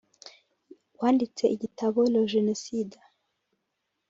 wanditse igitabo ”Le Genocidé“